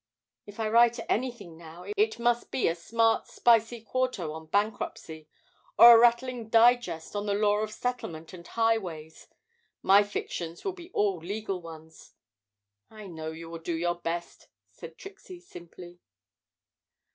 If I write anything now, it must be a smart spicy quarto on Bankruptcy, or a rattling digest on the Law of Settlement and Highways. My fictions will be all legal ones.' 'I know you will do your best,' said Trixie, simply.